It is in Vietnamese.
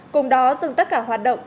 cùng đó dừng tất cả hoạt động